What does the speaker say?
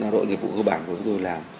đội nghiệp vụ cơ bản của tôi làm